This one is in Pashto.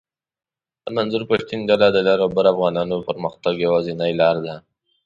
د منظور پشتین ډله د لر اوبر افغانانو د پرمختګ یواځنۍ لار ده